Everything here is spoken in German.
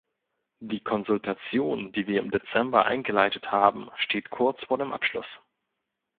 Die Konsultation, die wir im Dezember eingeleitet haben, steht kurz vor dem Abschluss.